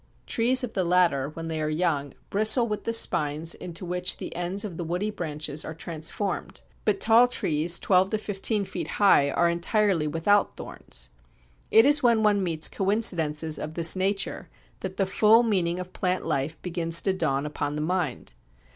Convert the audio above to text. Trees of the latter, when they are young, "bristle with the spines into which the ends of the woody branches are transformed"; but tall trees twelve to fifteen feet high are entirely without thorns! l.c., vol. I, p. 433. It is when one meets coincidences of this nature that the full meaning of plant life begins to dawn upon the mind.